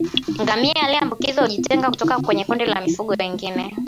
Ngamia aliyeambukizwa hujitenga kutoka kwenye kundi la mifugo wengine